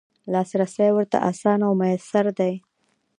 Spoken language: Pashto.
لاسرسی ورته اسانه او میسر دی.